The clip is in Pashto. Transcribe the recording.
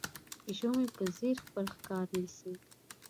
پیشو مې په ځیر خپل ښکار نیسي.